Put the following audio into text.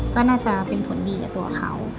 ก็น่าจะเป็นผลดีกับตัวเขา